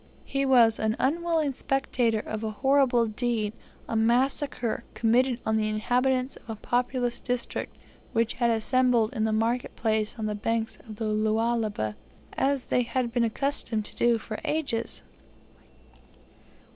He was an unwilling spectator of a horrible deed a massacre committed on the inhabitants of a populous district who had assembled in the market place on the banks of the Lualaba, as they had been accustomed to do for ages.